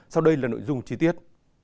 sau đây là nội dung chi tiết